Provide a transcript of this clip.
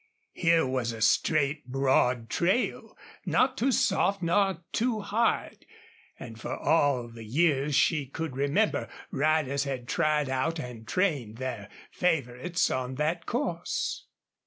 Here was a straight, broad trail, not too soft nor too hard, and for all the years she could remember riders had tried out and trained their favorites on that course.